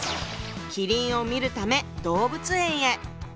麒麟を見るため動物園へ。